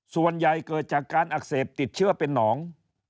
เกิดจากการอักเสบติดเชื้อเป็นหนอง